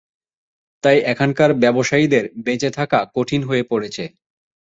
তাই এখানকার ব্যবসায়ীদের বেঁচে থাকা কঠিন হয়ে পড়েছে।